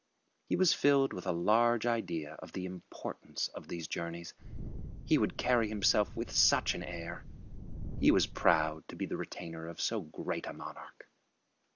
He was filled with a large idea of the importance of these journeys. He would carry himself with such an air! He was proud to be the retainer of so great a monarch.